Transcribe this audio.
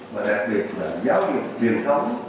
và đặc biệt là giáo dục truyền thống